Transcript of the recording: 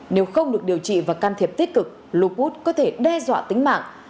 nếu không được điều trị và can thiệp tích cực lupus có thể đe dọa tính mạng